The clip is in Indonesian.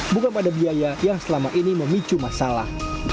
bukan pada biaya yang selama ini memicu masalah